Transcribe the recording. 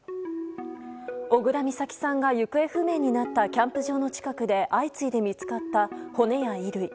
小倉美咲さんが行方不明になったキャンプ場の近くで相次いで見つかった骨や衣類。